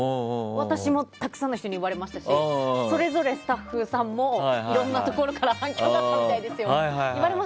私もたくさんの人に言われましたしそれぞれ、スタッフさんもいろんなところから反響があったみたいです。